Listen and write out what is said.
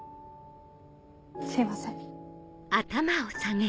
すいません。